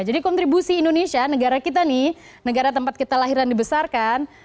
jadi kontribusi indonesia negara kita nih negara tempat kita lahir dan dibesarkan